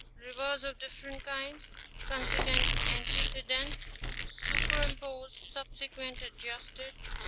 —Rivers of different kinds : consequent, antecedent, superim posed, subsequent, adjusted.